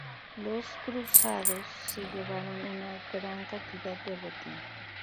Los cruzados se llevaron una gran cantidad de botín.